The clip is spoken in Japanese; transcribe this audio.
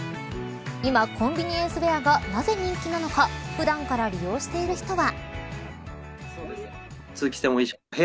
今、コンビニエンスウェアがなぜ人気なのか普段から利用している人は。